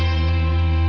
saya yang menang